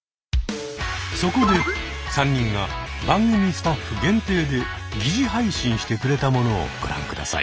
そこで３人が番組スタッフ限定で疑似配信してくれたものをご覧ください。